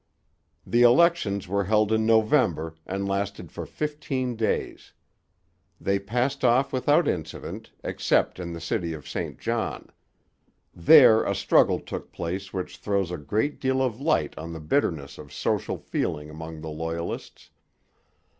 The elections were held in November, and lasted for fifteen days. They passed off without incident, except in the city of St John. There a struggle took place which throws a great deal of light on the bitterness of social feeling among the Loyalists.